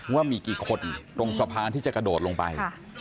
ว่ามีกี่คนตรงสะพานที่จะกระโดดลงไป